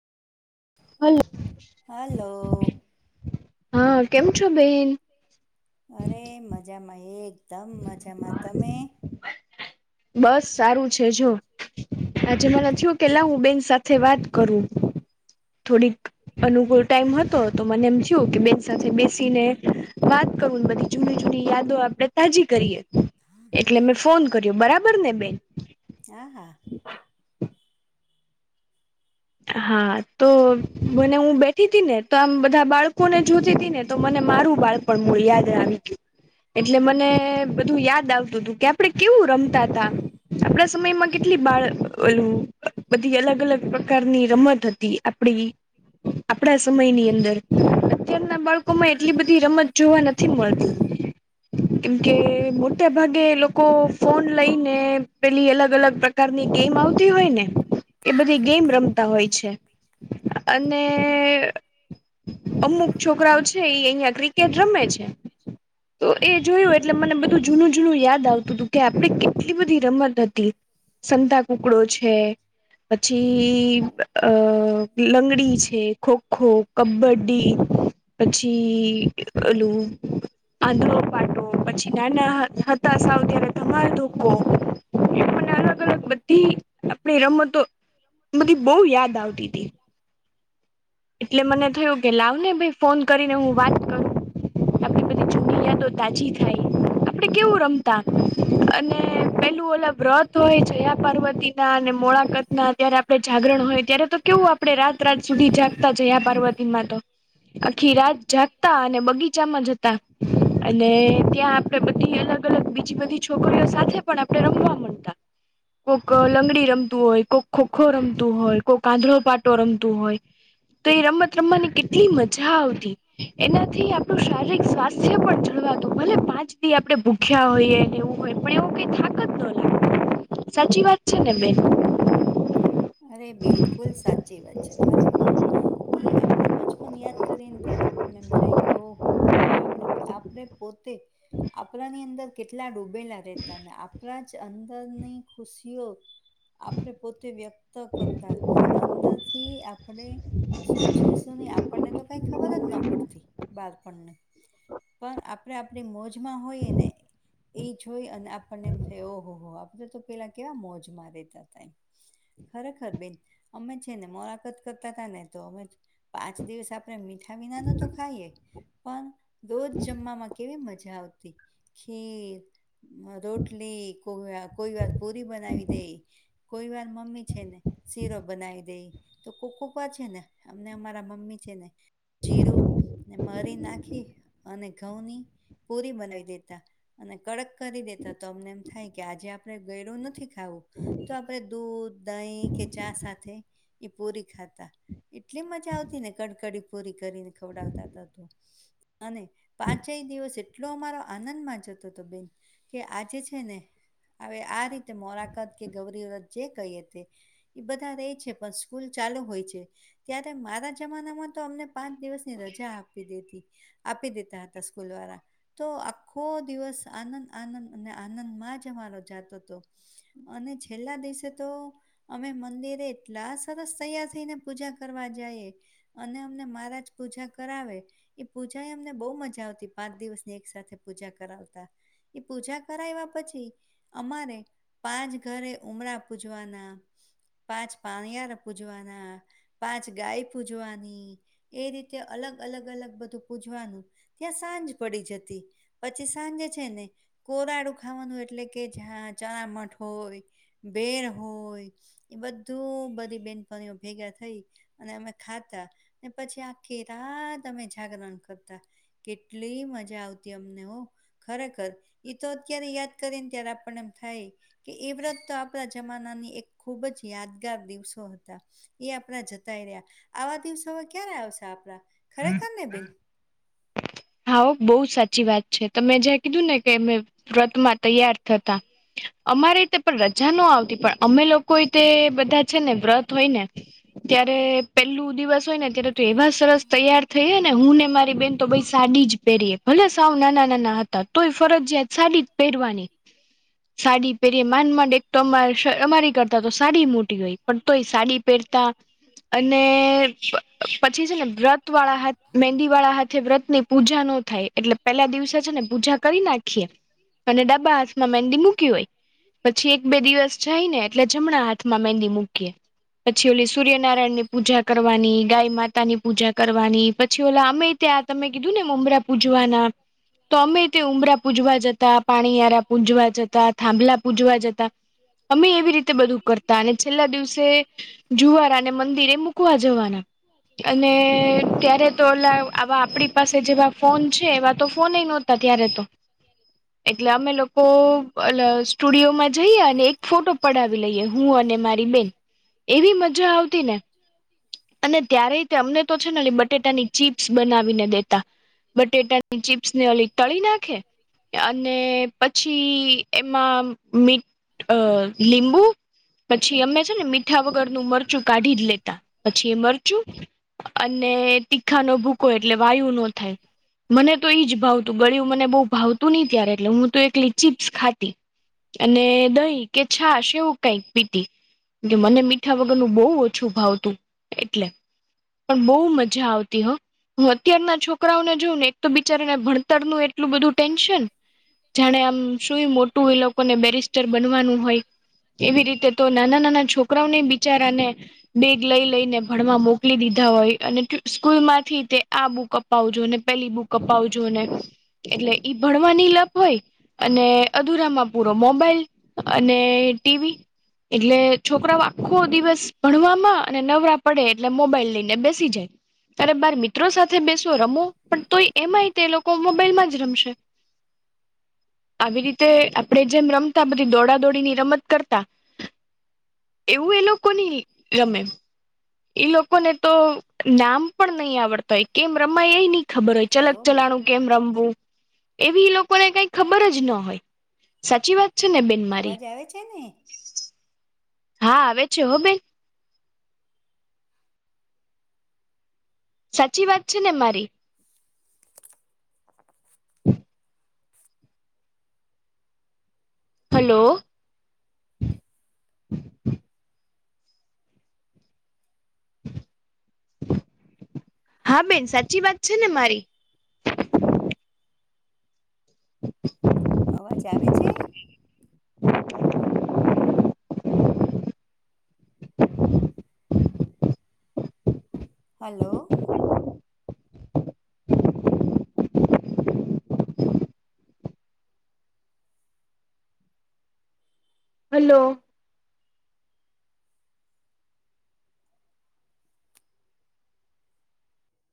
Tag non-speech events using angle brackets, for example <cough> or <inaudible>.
Hello hello. હા, કેમ છો બેન? અરે મજામાં એકદમ મજામાં. તમે? બસ સારું છે જો. આજે મને થયું કે લાવ હું બેન સાથે વાત કરું થોડીક. અનુકૂળ ટાઈમ હતો તો મને એમ થયું કે બેન સાથે બેસીને વાત કરુંન બધી. જુની-જુની યાદો આપડે તાજી કરીએ, એટલે મેં ફોન કર્યો, બરાબર ને બેન? હા હા હા તો મને હું બેઠી તી ને તો આમ બધા બાળકોને જોતી તી ને તો તો મને મારું બાળપણ મૂળ યાદ આવી ગયું, એટલે મને બધું યાદ આવતું તું કે આપડે કેવું રમતા તા. આપડા સમયમાં કેટલી બાળ ઓલુ બધી અલગ-અલગ પ્ર કારની રમત હતી આપડી આપડા સમયની અંદર, અત્યારના બાળકો માં એટલી બધી રમત જોવા નથી મળતી. <inaudible> કેમકે મોટા ભાગે લોકો ફોન લઈને પેલી અલગ-અલગ પ્ર કાર ની ગેમ આવતી હોય ને એ બધી ગેમ તા હોય છે, અને અમુક છોકરાઓ છે ઈ અહિયાં ક્રિકેટ રમે છે. તો એ જોયું એટલે મને બધું જૂનું-જૂનું યાદ આવતું તું કે આપડે કે એટલી બધી રમત હતી, સંતા કુકડો છે, પછી ઈ અહ લંગડી છે ખો-ખો, કબડ્ડી, પછી ઓલું આંધળો પાડો, પછી નાના હતા સાવ ત્યારે ધમાલ ધોક્કો એ મને અલગ-અલગ બધી આપણી રમતો બધી બહુ યાદ આવતી તી. એટલે મને થયું કે લાવ ને ભઈ ફોન કરીને હું વાત કરું. આપડી બધી જુની યાદો તાજી થાય, આપડે કેવું રમતા. <inaudible> અને પેલું ઓલા વ્રત તો એ જયા પાર્વતી ના, ને મોળાકત ના, ત્યારે આપણે જાગરણ હોય, ત્યારે તો કેવું આપણેે રાત-રાત સુધી જાગ તા જયા પાર્વતીમાં તો. આખી રાત જાગતા અને બગીચામાં જતા, અને ત્યાં આપડે બ ધી અલગ-અલગ બીજી બધી છોકરીઓ સાથે પણ આપણે રમવા મંડતા. કોક લંગડી રમતું હોય, કોક ખો-ખો રમતું હોય, કોક આંધળો પાટો રમતું હોય. તો એ રમત રમવાની કેટલી મજા આવતી. એનાથી આપણું શારીરિક સ્વાસ્થ્ય પણ જળવાતું, ભલે પાંચ દી આપણે ભૂ ખ્યા હોય ને એવું હોય, પણ એવું કંઈ થાક જ ન લાગે, સાચી વાત છે ને બેન અરે બિલકુલ સાચી વાત છે, ખરેખર. ઈ આપણો બચપન યાદ કરીને ત્યારે આપણને એમ થાય કે ઓહોહો આપણે આ બધા આપણે પોતે આપણાની અંદર કેટલા ડૂબેલા રહેતા, ને આપણા જ અંદરની ખુશીઓ આપણે પોતે વ્યક્ત કરતા, અને અંદરથી આપણે શું છે, શું નહીં, આપણને તો કંઈ ખબર જ ન પડતી બાળપણને. પણ આપડે આપણી મોજમાં હોઈએ ને એ જોઈ અને આપણને એમ થ ઓહોહ આપડે તો પેલા કેવા મોજમાં રેતા હતા એમ ખરેખર બેન. અમે છે ને મોળાકાત કરતા તા ને તો અમે પાંચ દિવસ આપ આપણે મીઠા વિના નો તો ખાઈએ, પણ રોજ જમવામાં કેવી મજા આવતી. ખીર, રોટલી, કોઈ-કોઈ વાર પુરી બનાવી દેઈ કોઈ વાર મમ્મી છે ને શીરો બનાવી દેઈ તો કોક-કોક વાર છે ને અમને અમારા મમ્મી છે ને જીરું ને મરી નાખી અને ઘઉંની પુરી બનાવી દેતા અને કડક કરી દેતા તો અમને એમ થાય કે આજે આપડે ગયડું નથી ખાવું તો આપડે દૂધ દહીં કે ચા સાથે એ પુરી ખાતા એટલી મજા આવતી ને કડકડી પૂરી કરીને ખવડાવતા તો અને પાંચેય દિવસ એટલો અમારો આનંદમાં જતો હતો બેન કે આજે છે ને. હવે આ રીતે મોરાકત કે ગૌરીવ્રથ જે કહીએ તે એ બધા રહેે છે પણ સ્કૂલ ચાલુ હોય છે ત્યારે મારા જમાનામાં તો અમને પાંચ દિવસની રજા આપી દી આપી દેતા હતા સ્કૂલ વાળા તો આખો દિવસ આનંદ આનંદ અને આનંદમાં જ અમારો જાતો હતો અને છેલ્લા દિવસે તો અમે મંદિરે એટલા સરસ તૈયાર થઈને પૂજા કરવા જઈ અને અમને મારા જ પૂજા કરાવે એ પૂજા એ અમને બહુ મજા આવતી પાંચ દિવસની એક સાથે પૂજા કરાવતા એ પૂજા કરાવ્યા પછી અમારે પાંચ ઘરે ઉમરા પૂજવાના પાંચ પાણીયાર પૂજવાના પાંચ ગાય પૂજવાની એ રીતે અલગ અલગ અલગ બધું પૂજવાનું ત્યાં સાંજ પડી જતી પછી સાંજે છે ને કોરાડું ખાવાનું એટલે કે જ્યાં ચણ મઠ હોય બેર હોય એ બધું બધી બેનપણીઓ ભેગા થઈ અને અમે ખાતા અને પછી આખી રાત અમે જાગરણ કરતા કેટલી મજા આવતી અમને હો ખરેખર તો અત્યારે યાદ કરી ને ત્યારે આપ પણ એમ થાય કે એ વ્રત તો આપણા જમાનાની એક ખૂબ જ યાદગાર દિવસો હતા એ આપણા જતાય રહ્યા આવા દિવસો હવે ક્યારે આવશે આપડા ખરેખર ને બેન હા બહુ સાચી વાત છે તમે જ્યાં કીધું ને કે મે વ્રતમાં તૈયાર થતા અમારેતે પણ રજા ન આવતી પણ અમે લોક કોઈ તે બધા છે ને વ્રત હોય ને ત્યારે પેલું દિવસ હોય ને તો એવા સરસ તૈયાર થઈ ને હું ને મારી બેન તો બય સાડી જ પહેરીએ ભલે સાવ નાના નાના હતા તોય ફરજયાત સાડીચ પેરવાની સાડી પહેરી માંડ માંડ એક તો અ અમારી કરતા તો સાડી મોટી હોય પણ તોય સાડી પહેરતા અને પછી છે ને વ્રત વાળા હાથ મંદી વાળા હાથે વ્રત ની પૂજા ન થાય એટલે પેલા દિવસે છે ને પૂજા કરી નાખીએ અને ડબા હાથમાં મંદી મૂકી હોય પછી એક બે દિવસ જાય ને એટલે જમણા હાથ થ માં મંદી મૂકી પછી ઓલી સૂર્યનારાયણ ની પૂજા કરવાની ગાય માતાની પૂજા કરવાની પછી ઓલા અમે ત્યાં તમે કીધું ને ઉમરા પૂજવાના તો અમે તે ઉમરા પૂજવા જતા પાણીયારા પૂજવા જતા થાંભલા પૂજવા જતા અમે એવી રીતે બધું કરતા અને છેલ્લા દિવસે જુવારા મિરે મક જવાના અને ત્યારે તો આવા આપણી પાસે જેવા ફોન છે એવા તો ફોન નહોતા ત્યારે તો એટલે અમે લોકો સ્ટુડિયોમાં જઈએ અને એક ફોટો પડાવી લઈએ હું અને મારી બેન એવી મજા આવતી ને અને ત્યારે અમને તો છે ને બટેટાની ચીપ્સ બનાવ દેતા બટેટાની ચીપ્સ ને અ તળી નાખે અને પછી એમાં મી અ લીંબુ પછી અમે છે ને મીઠા વગરનું મરચું કાઢી જ લેતા પછી એ મરચું અને તીખા નો ભૂકો એટલે વાયુ નો થાય. મને તો એઈ જ ભાવતું ગળિયું મને બહુ ભાવતું નહીં ત્યારે એટલે હું તો એક લિચીજ ખાતી. અને દહી કે છાછ એવું કઈક પીતી. કે મને મીઠા વગર નું બહુ ઓછું ભાવ તું એટલે. પણ બહુ મજા આવતી હા. હું અત્યારના છોકરાઓને જોઉ ને એક તો બિચારીને ભણતર નું એટલું બધું ટેન્શન જાણે આમ સુું મોટું એ લોકોને બેરિસ્ટર બનવાનું હોય. એવી રીતે તો નાના નાના છોકરાઓને બિચારાને બેગ લઈ લઈને ભણમાં મોકલી દીધા હોય અને કયું સ્કૂલ માંથી તે આ બુક અપાવજો ને પેલી બુક અપાવજો ને એટલે ઈ ભણવાની લભ હોય અને અધુરામાં પૂરો મોબાઈલ અને ટી વી એટલે છોકરા આખો દિવસ ભણવામાં અને નવરા પડે એટલે મોબાઈલ લઈને બેસી જાય. ત્યારે બાર ત્રો સાથે બેસો રમો પણ તોય એમાંય તે લોકો મોબાઈલમાં જ રમશે. આવી રીતે આપડે જેમ રમતા બધી દોડા દોડી ની રમત કરતા. એવું એ લોકો ની રમે. એ લોકોને તો નામ પણ નહી આવડતા હોય કેમ રમાય એ નહી ખબર હોય ખરેખર ચલક હો બેન ચલાણું કેમ રમવું એવી લોકોને કઈ ખબર જ ના હોય. સાચી વાત છે ને બેન મારી અવાજ આવે છે ને? હા, આવે છે. હો બેન. સાચી વાત છે ને મારી? હમ હલો. હા બેન, સાચી વાત છે ને મારી? અવાજ આવે છે? હેલો. હલો.